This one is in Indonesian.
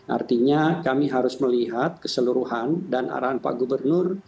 artinya kami harus melihat keseluruhan dan arahan pak gubernur